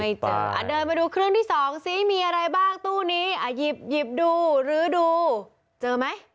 เจอเดินมาดูเครื่องที่สองซิมีอะไรบ้างตู้นี้อ่ะหยิบดูลื้อดูเจอไหม